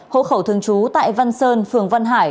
hộ khẩu thường trú tại văn sơn phường văn hải